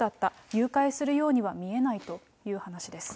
誘拐するようには見えないという話です。